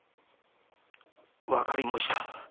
わかり申した！